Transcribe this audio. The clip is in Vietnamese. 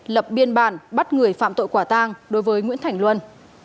lập biên bản bắt người phạm tội quả tang đối với nguyễn thành luân